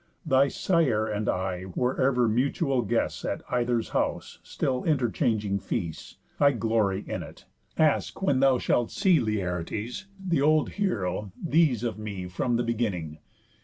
Thy sire and I were ever mutual guests, At either's house still interchanging feasts. I glory in it. Ask, when thou shalt see Laertes, th' old heroë, these of me, From the beginning.